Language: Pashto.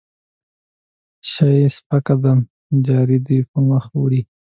شا یې سپکه ده؛ چارې دوی پرمخ وړي.